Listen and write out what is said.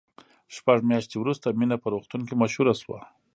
شپږ میاشتې وروسته مینه په روغتون کې مشهوره شوه